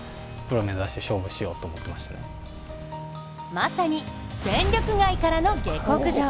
まさに戦力外からの下克上。